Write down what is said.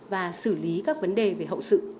và xử lý các vấn đề về hậu sự